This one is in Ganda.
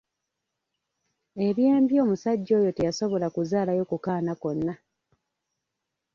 Eby'embi omusajja oyo teyasobola kuzaalayo ku kaana konna.